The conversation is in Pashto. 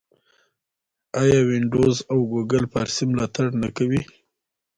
آیا وینډوز او ګوګل فارسي ملاتړ نه کوي؟